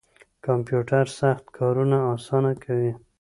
کمپیوټر سخت کارونه اسانه کوي